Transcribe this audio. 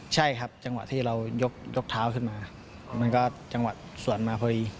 ใช่ครับจังหวะที่เรายกเท้าขึ้นมามันก็จังหวะสวนมาพอดี